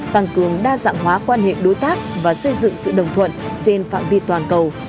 tăng cường đa dạng hóa quan hệ đối tác và xây dựng sự đồng thuận trên phạm vi toàn cầu